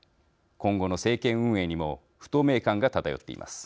今後の政権運営にも不透明感が漂っています。